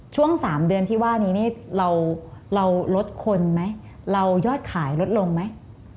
ช่วง๓เดือนที่ว่านี้นี่เราลดคนไหมเรายอดขายลดลงไหม